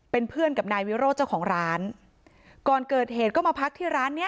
เป็นเพื่อนกับนายวิโรธเจ้าของร้านก่อนเกิดเหตุก็มาพักที่ร้านเนี้ย